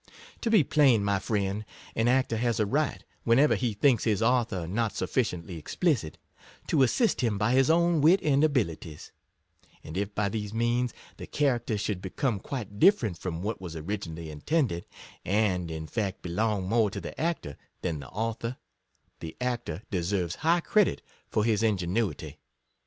To be plain, my friend, an actor has a right, whenever he thinks his author not sufficiently explicit, to assist him by his own wit and abilities ; and if by these means the character should become quite different from what was originally intended, and in fact be long more to the actor than the author, the actor deserves high credit for his ingenuity.